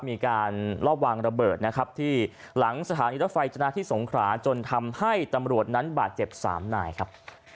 มีการลอบวางระเบิดนะครับที่หลังสถานีรถไฟจนะที่สงขราจนทำให้ตำรวจนั้นบาดเจ็บ๓นายครับ